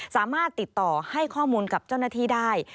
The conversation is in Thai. สามารถติดต่อให้ข้อมูลกับเจ้าหน้าที่ได้